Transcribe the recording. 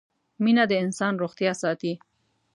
مينه د انسان روغتيا ساتي